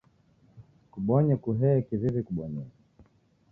Kubonye kuhee kiw'iw'I kubonyere